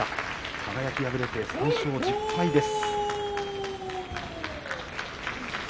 輝、敗れて１０敗目です。